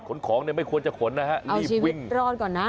ของเนี่ยไม่ควรจะขนนะฮะรีบวิ่งรอดก่อนนะ